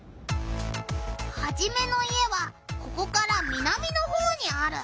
ハジメの家はここから南のほうにある。